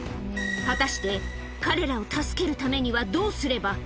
果たして、彼らを助けるためにはどうすれば。